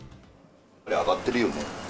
上がってるよね。